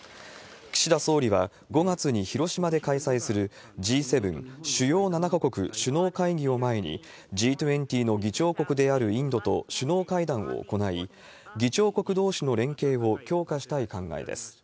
岸田総理は、５月に広島で開催するＧ７・主要７か国首脳会議を前に、Ｇ２０の議長国であるインドと首脳会談を行い、議長国どうしの連携を強化したい考えです。